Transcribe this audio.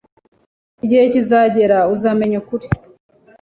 Igihe kizagera uzamenya ukuri.